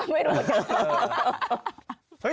ไม่รู้